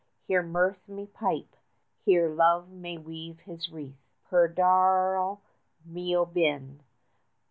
Here Mirth may pipe, here Love may weave his wreath, _Per dar' al mio bene.